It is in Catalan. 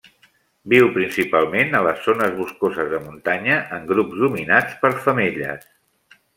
Viu principalment a les zones boscoses de muntanya en grups dominats per femelles.